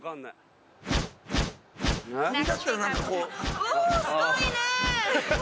おすごいね！